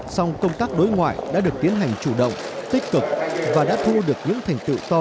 song công tác đối ngoại đã được tiến hành chủ động tích cực và đã thu được những thành tựu